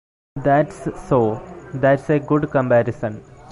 That’s so — that’s a good comparison.